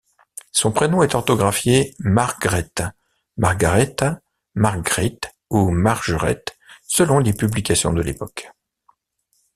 Son prénom est orthographié Margret, Margaretha, Margrit ou Margeret selon les publications de l'époque.